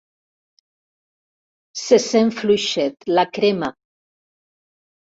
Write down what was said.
Se sent fluixet «la crema».